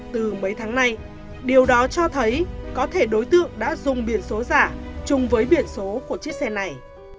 từ mấy tháng nay điều đó cho thấy có thể đối tượng đã dùng biển số giả chung với biển số của chiếc xe này